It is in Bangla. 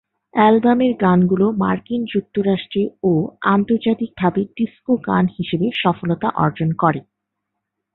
অ্যালবামের গানগুলো মার্কিন যুক্তরাষ্ট্রে ও আন্তর্জাতিকভাবে ডিস্কো গান হিসেবে সফলতা অর্জন করে।